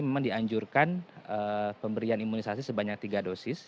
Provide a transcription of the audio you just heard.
kita menunjurkan pemberian imunisasi sebanyak tiga dosis